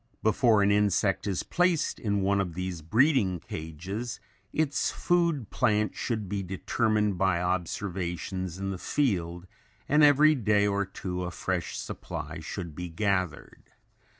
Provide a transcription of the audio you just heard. Before an insect is placed in one of these breeding cages its food plant should be determined by observations in the field, and every day or two a fresh supply should be gathered.